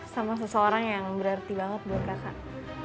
sama seseorang yang berarti banget buat kakak